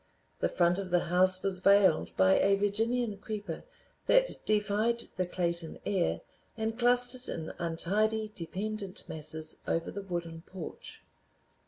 The front of the house was veiled by a Virginian creeper that defied the Clayton air and clustered in untidy dependent masses over the wooden porch.